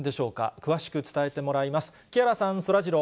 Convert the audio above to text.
詳しく伝えてもらいます。